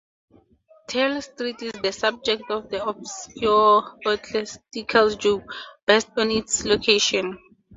Turl Street is the subject of an obscure ecclesiastical joke, based on its location.